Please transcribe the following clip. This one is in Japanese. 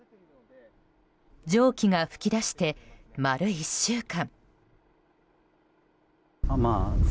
蒸気が噴き出して丸１週間。